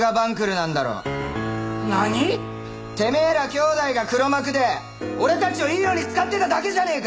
なに？てめぇら兄弟が黒幕で俺たちをいいように使ってただけじゃねぇか！